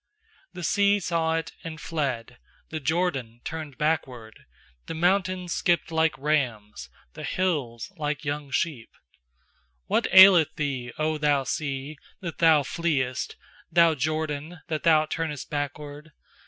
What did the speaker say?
3The sea saw it, and fled; The Jordan turned backward. 4The mountains skipped like rams, The hills like young sheep* 8What aileth thee, 0 thou sea, that thou fleest? Thou Jordan, that thou turnest backward?